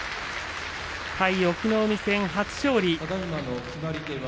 対隠岐の海戦、初勝利。